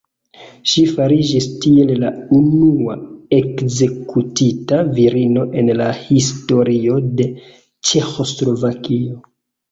Ŝi fariĝis tiel la unua ekzekutita virino en la historio de Ĉeĥoslovakio.